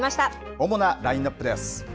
主なラインアップです。